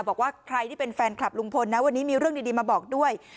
บอกว่าใครที่เป็นแฟนคลับลุงพลนะวันนี้มีเรื่องดีมาบอกด้วย